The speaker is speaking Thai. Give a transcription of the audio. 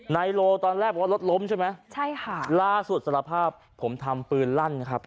นายโลตอนแรกบอกว่ารถล้มใช่ไหมใช่ค่ะล่าสุดสารภาพผมทำปืนลั่นนะครับ